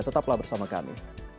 tetaplah bersama kami